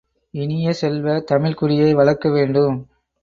இனிய செல்வ, தமிழ்க் குடியை வளர்க்க வேண்டும்.